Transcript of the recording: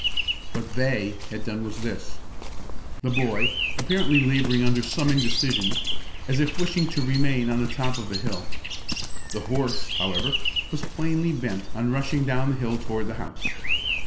What "they" had done was this: The boy was apparently laboring under some indecision, as if wishing to remain on the top of the hill. The horse, however, was plainly bent upon rushing down the hill toward the house.